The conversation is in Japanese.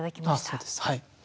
そうです。